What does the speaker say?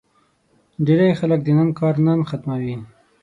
ډېری خلک د نن کار نن ختموي.